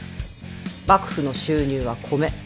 幕府の収入は米。